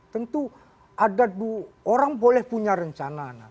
tentu ada orang boleh punya rencana